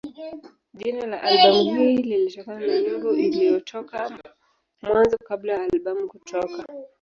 Jina la albamu hii lilitokana na nyimbo iliyotoka Mwanzo kabla ya albamu kutoka.